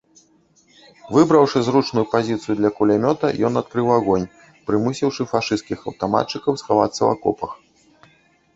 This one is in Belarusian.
Выбраўшы зручную пазіцыю для кулямёта, ён адкрыў агонь, прымусіўшы фашысцкіх аўтаматчыкаў схавацца ў акопах.